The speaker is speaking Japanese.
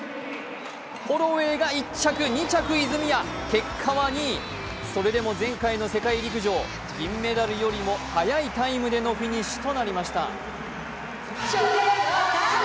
結果は２位、それでも前回の世界陸上銀メダルよりも速いタイムでのフィニッシュとなりました。